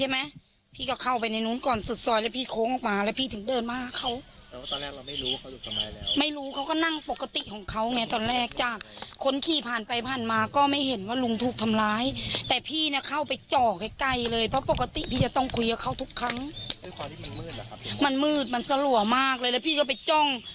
มันมืดมันสะหรัวมากเลยแล้วพี่ก็ไปจ้อง